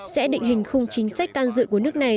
sẽ định hình khung chính sách can dự của nước này